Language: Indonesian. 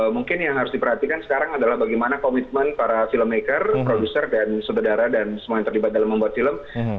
mungkin yang harus diperhatikan sekarang adalah bagaimana komitmen para filmmaker produser dan saudara dan semua yang terlibat dalam membuat film